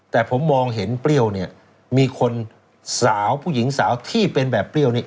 แต่ผมมองเห็นเปรี้ยวเนี่ยมีคนสาวผู้หญิงสาวที่เป็นแบบเปรี้ยวเนี่ย